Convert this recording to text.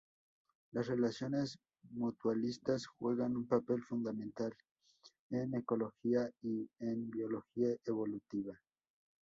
Las relaciones mutualistas juegan un papel fundamental en ecología y en biología evolutiva.